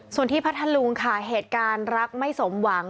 ส่วนที่พัทธลุงค่ะเหตุการณ์รักไม่สมหวัง